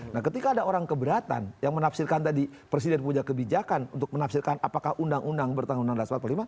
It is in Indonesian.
nah ketika ada orang keberatan yang menafsirkan tadi presiden punya kebijakan untuk menafsirkan apakah undang undang bertanggung narasi empat puluh lima